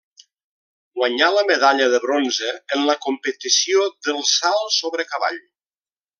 Guanyà la medalla de bronze en la competició del salt sobre cavall.